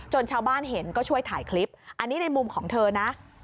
ชาวบ้านเห็นก็ช่วยถ่ายคลิปอันนี้ในมุมของเธอนะ